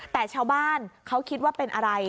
แต่ชาวบ้านเขาคิดว่าเป็นอะไร